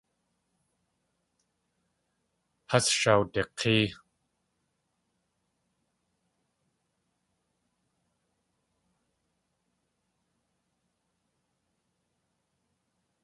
Has shawdik̲ée.